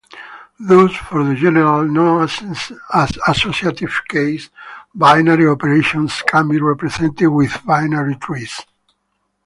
Thus, for the general, non-associative case, binary operations can be represented with binary trees.